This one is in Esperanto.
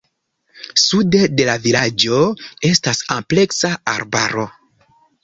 Sude de la vilaĝo estas ampleksa arbaro.